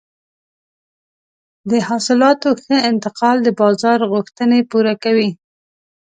د حاصلاتو ښه انتقال د بازار غوښتنې پوره کوي.